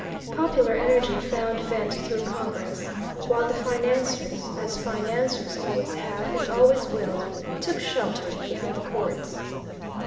Popular energy found vent through Congress, while the financiers, as financiers always have and always will, took shelter behind the courts.